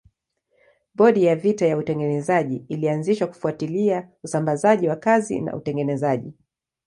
Bodi ya vita ya utengenezaji ilianzishwa kufuatilia usambazaji wa kazi na utengenezaji.